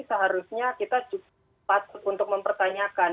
seharusnya kita patut untuk mempertanyakan